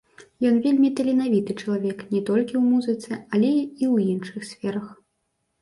Ян вельмі таленавіты чалавек не толькі ў музыцы, але і ў іншых сферах.